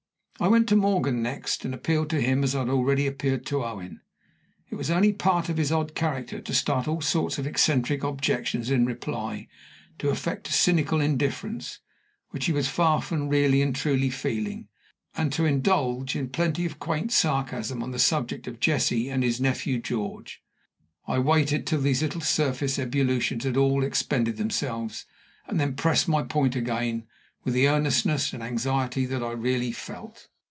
I went to Morgan next, and appealed to him as I had already appealed to Owen. It was only part of his odd character to start all sorts of eccentric objections in reply; to affect a cynical indifference, which he was far from really and truly feeling; and to indulge in plenty of quaint sarcasm on the subject of Jessie and his nephew George. I waited till these little surface ebullitions had all expended themselves, and then pressed my point again with the earnestness and anxiety that I really felt.